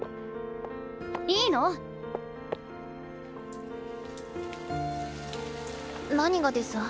いいの？何がデス？